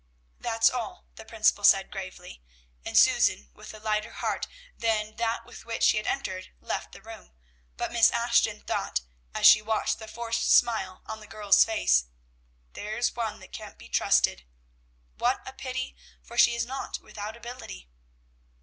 "That's all," the principal said gravely, and Susan, with a lighter heart than that with which she had entered, left the room; but Miss Ashton thought, as she watched the forced smile on the girl's face, "There's one that can't be trusted; what a pity, for she is not without ability!"